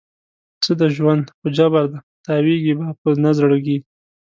څه دی ژوند؟ خو جبر دی، تاویږې به په نه زړګي